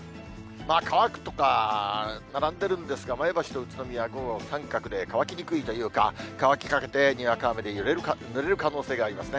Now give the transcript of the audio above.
乾くとか、並んでるんですが、前橋と宇都宮、午後三角で、乾きにくいというか、乾きかけて、にわか雨でぬれる可能性がありますね。